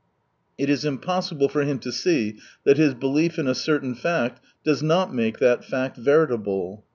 It is impossible for him to see that his belief in a certain fact does not make that fact veritable.